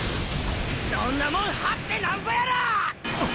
そんなもん張ってナンボやろ！